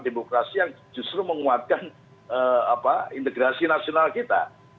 demokrasi yang justru menguatkan integrasi nasional kita